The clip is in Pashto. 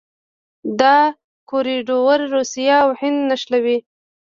دا کوریډور روسیه او هند نښلوي.